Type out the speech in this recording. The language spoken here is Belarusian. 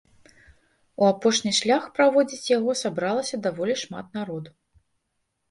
У апошні шлях праводзіць яго сабралася даволі шмат народу.